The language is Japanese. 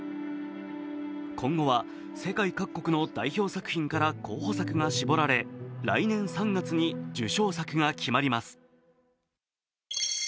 今後は世界各国の代表作品から候補作が絞られ、来年３月に受賞作が決まります。